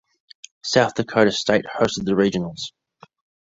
South Dakota State hosted the Regionals.